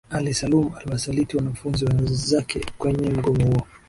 ally salum aliwasaliti wanafunzi wenzake kwenye mgomo huo